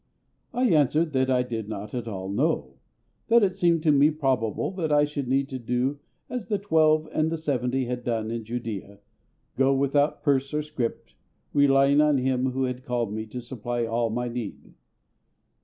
I answered that I did not at all know; that it seemed to me probable that I should need to do as the Twelve and the Seventy had done in Judæa go without purse or scrip, relying on Him who had called me to supply all my need.